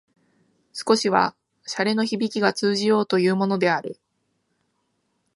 少しは洒落のひびきが通じようというものである